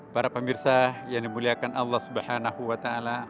para pemirsa yang dimuliakan allah swt